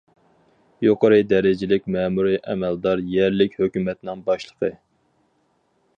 يۇقىرى دەرىجىلىك مەمۇرىي ئەمەلدار يەرلىك ھۆكۈمەتنىڭ باشلىقى.